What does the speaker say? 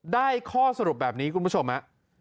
ได้ข้อสรุปแบบนี้คุณผู้ชมฮะ